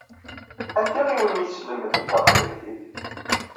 Anti i wen-yeslemden taqbaylit?